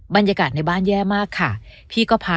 บรรยากาศในบ้านแย่มากค่ะ